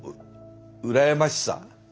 羨ましさ。